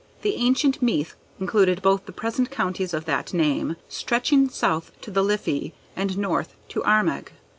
The ancient Meath included both the present counties of that name, stretching south to the Liffey, and north to Armagh.